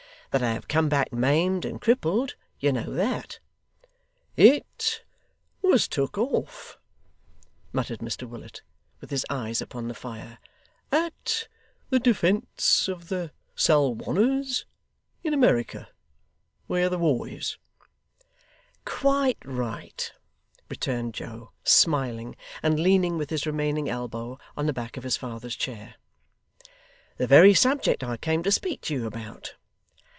That I have come back, maimed and crippled? You know that.' 'It was took off,' muttered Mr Willet, with his eyes upon the fire, 'at the defence of the Salwanners, in America, where the war is.' 'Quite right,' returned Joe, smiling, and leaning with his remaining elbow on the back of his father's chair; 'the very subject I came to speak to you about.